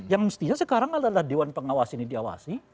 yang mestinya sekarang adalah dewan pengawas ini diawasi